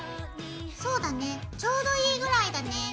そうだねちょうどいいぐらいだね。